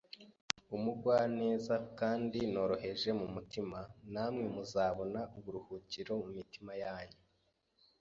umuugwaneza kand noroheje mu mutima, na mwe muzabona uburuhukiro mu mitima yanyu